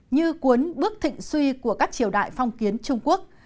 như cuốn bước thịnh suy của các triều đại phong kiến trung quốc